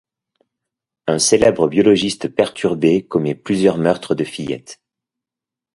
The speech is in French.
Un célèbre biologiste perturbé commet plusieurs meurtres de fillettes.